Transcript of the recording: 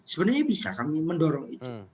sebenarnya bisa kami mendorong itu